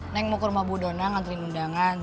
neng mau ke rumah budona ngantriin undangan